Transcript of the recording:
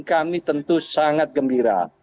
kami tentu sangat gembira